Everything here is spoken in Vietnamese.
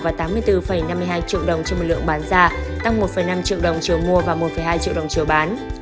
và tám mươi bốn năm mươi hai triệu đồng trên một lượng bán ra tăng một năm triệu đồng chiều mua và một hai triệu đồng chiều bán